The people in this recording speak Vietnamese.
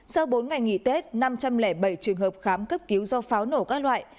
sau bốn ngày nghỉ tết năm trăm linh bảy trường hợp khám cấp cứu do pháo nổ các loại